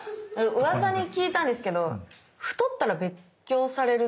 うわさに聞いたんですけど太ったら別居されるって本当ですか？